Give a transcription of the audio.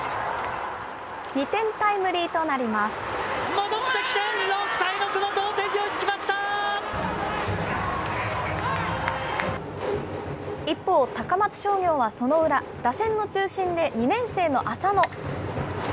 戻ってきて、一方、高松商業はその裏、打線の中心で２年生の浅野。